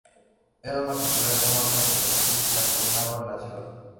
Era una cantidad enorme de juventud la que llenaba la ciudad.